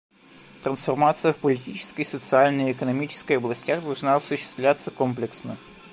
Трансформация в политической, социальной и экономической областях должна осуществляться комплексно.